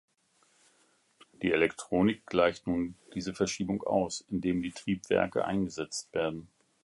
Die Elektronik gleicht nun diese Verschiebung aus, indem die Triebwerke eingesetzt werden.